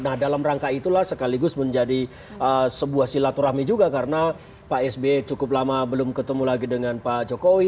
nah dalam rangka itulah sekaligus menjadi sebuah silaturahmi juga karena pak sby cukup lama belum ketemu lagi dengan pak jokowi